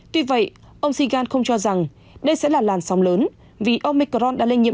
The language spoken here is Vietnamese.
tuy vậy ông saigon không cho rằng đây sẽ là lạt sóng lớn vì omicron đã lây nhiễm